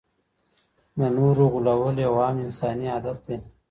د نورو غولول یو عام انساني عادت دی.